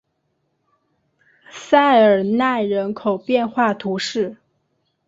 塞尔奈人口变化图示